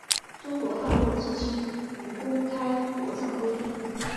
中国大陆至今无公开国葬规定。